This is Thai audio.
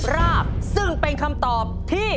ราบซึ่งเป็นคำตอบที่